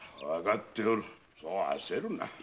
わかっておるそう焦るな。